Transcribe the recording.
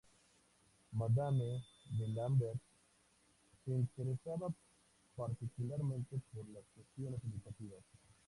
Madame de Lambert se interesaba particularmente por las cuestiones educativas.